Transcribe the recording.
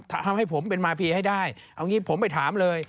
ทำให้ผมเป็นมาพีให้ได้เอางี้ผมไปถามเลย